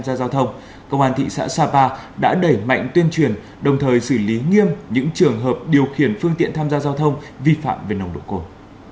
giao thông công an thị xã sapa đã đẩy mạnh tuyên truyền đồng thời xử lý nghiêm những trường hợp điều khiển phương tiện tham gia giao thông vi phạm về nồng độ cồn